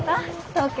東京。